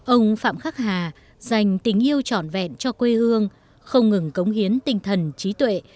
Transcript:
ông phạm khắc hà dành tình yêu trọn vẹn cho quê hương không ngừng cống hiến tinh thần trí tuệ